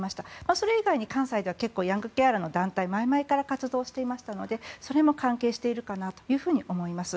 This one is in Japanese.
それ以外に関西では結構ヤングケアラーの団体は前々から活動していましてそれも関係しているかなと思います。